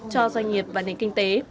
cho doanh nghiệp và nền kinh tế